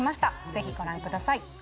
ぜひご覧ください。